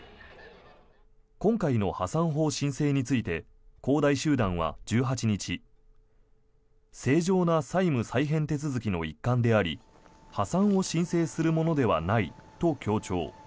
今回の破産法申請について恒大集団は１８日正常な債務再編手続きの一環であり破産を申請するものではないと強調。